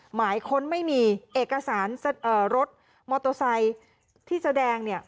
หมายค้นไม่มีเอกสารรถโมโตไซด์ที่แสดง